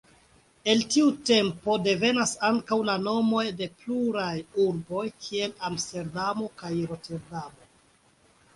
El tiu tempo devenas ankaŭ la nomoj de pluraj urboj, kiel Amsterdamo kaj Roterdamo.